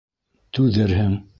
Түҙерһең!